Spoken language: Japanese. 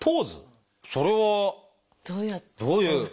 それはどういう？